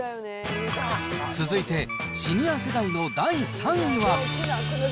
続いて、シニア世代の第３位は。